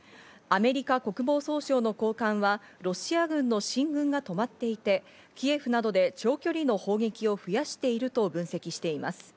アメリカ国防総省の高官はロシア軍の進軍が止まっていて、キエフなどで長距離の砲撃を増やしていると分析しています。